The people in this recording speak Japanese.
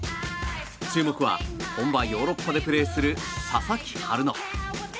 注目は、本場ヨーロッパでプレーする佐々木春乃。